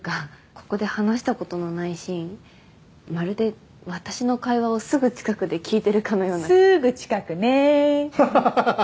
ここで話したことのないシーンまるで私の会話をすぐ近くで聞いてるかのようなすーぐ近くねーははははっ